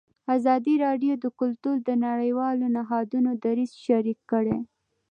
ازادي راډیو د کلتور د نړیوالو نهادونو دریځ شریک کړی.